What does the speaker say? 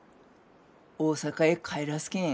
大阪へ帰らすけん。